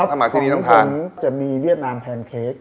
ถ้ามาที่นี่ต้องทานครับของผมจะมีเวียดนามแพนเค้ก